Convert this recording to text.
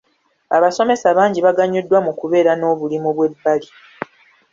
Abasomesa bangi baganyuddwa mu kubeera n'obulimu bw'ebbali.